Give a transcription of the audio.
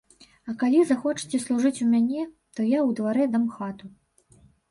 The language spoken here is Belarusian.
А калі захочаце служыць у мяне, то я ў дварэ дам хату.